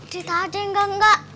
cerita aja yang gangga